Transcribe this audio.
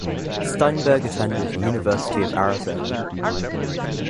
Steinberg attended University of Arizona.